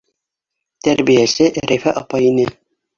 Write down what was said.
Тәрбиәсе Рәйфә апай ине.